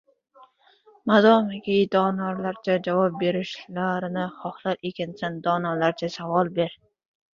Modomiki, donolarcha javob berishlarini xohlar ekansan – donolarcha savol ber.